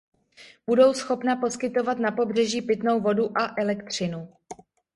Budou schopna poskytovat na pobřeží pitnou vodu a elektřinu.